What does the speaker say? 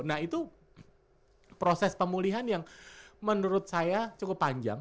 nah itu proses pemulihan yang menurut saya cukup panjang